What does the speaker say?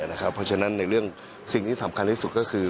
เพราะฉะนั้นในเรื่องสิ่งที่สำคัญที่สุดก็คือ